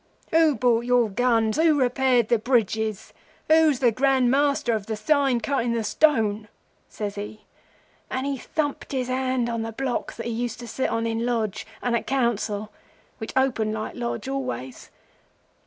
'Who bought your guns? Who repaired the bridges? Who's the Grand Master of the sign cut in the stone?' and he thumped his hand on the block that he used to sit on in Lodge, and at Council, which opened like Lodge always.